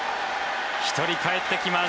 １人かえってきます。